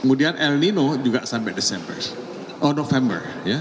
kemudian el nino juga sampai desember oh november